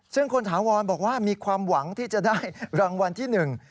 ซึ่งคุณถาวรบอกว่ามีความหวังที่จะได้รางวัลที่หนึ่ง